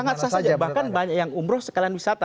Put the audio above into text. sangat sah saja bahkan banyak yang umroh sekalian wisata